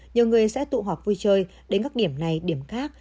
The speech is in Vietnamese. nhiều người sẽ tụ họp vui chơi đến các điểm này điểm khác